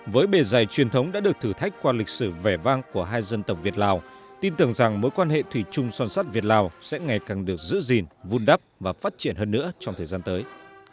với bề dày truyền thống đã được thử thách qua lịch sử vẻ vang của hai dân tộc việt lào tin tưởng rằng mối quan hệ thủy chung son sắt việt lào sẽ ngày càng được giữ gìn vun đắp và phát triển hơn nữa trong thời gian tới